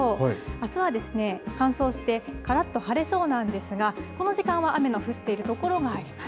あすは乾燥してからっと晴れそうなんですが、この時間は雨の降っている所があります。